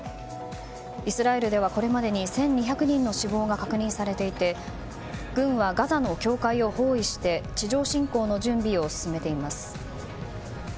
イスラエルではこれまでに１２００人の死亡が確認されていて軍はガザの境界を包囲して地上侵攻の用意を進めています。